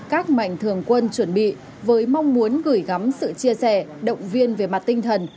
các mạnh thường quân chuẩn bị với mong muốn gửi gắm sự chia sẻ động viên về mặt tinh thần